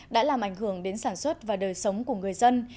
đã làm ảnh hưởng đến sản xuất và đời sống của người dân